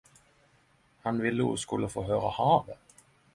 Han ville ho skulle få høyra havet.